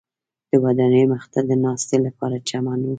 د ودانیو مخ ته د ناستې لپاره چمن و.